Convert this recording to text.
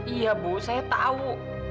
iya bu saya tahu